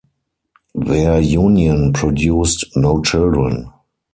Their union produced no children.